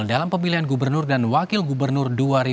dalam pemilihan gubernur dan wakil gubernur dua ribu dua puluh